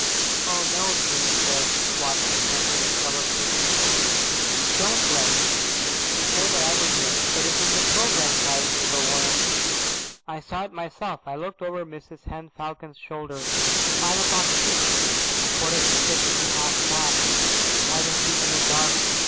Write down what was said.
"Oh, no," Peter said, watching Francis's troubled face, "don't let's. We play that every year." "But it's in the programme," cried Mabel Warren. "I saw it myself. I looked over Mrs Henne Falcon's shoulder. Five o'clock tea. A quarter to six to half past, hide and seek in the dark.